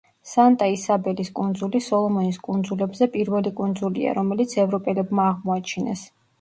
სანტა-ისაბელის კუნძული სოლომონის კუნძულებზე პირველი კუნძულია, რომელიც ევროპელებმა აღმოაჩინეს.